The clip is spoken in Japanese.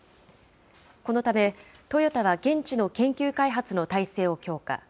このためトヨタは現地の研究開発の体制を強化。